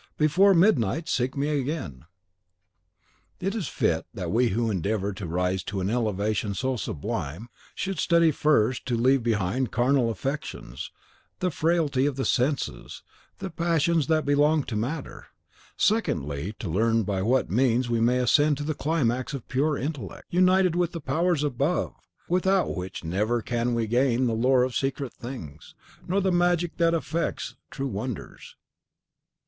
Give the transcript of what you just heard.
Before midnight, seek me again!" CHAPTER 4.IV. It is fit that we who endeavour to rise to an elevation so sublime, should study first to leave behind carnal affections, the frailty of the senses, the passions that belong to matter; secondly, to learn by what means we may ascend to the climax of pure intellect, united with the powers above, without which never can we gain the lore of secret things, nor the magic that effects true wonders. Tritemius "On Secret Things and Secret Spirits."